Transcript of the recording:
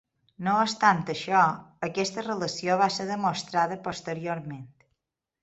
No obstant això, aquesta relació va ser demostrada posteriorment.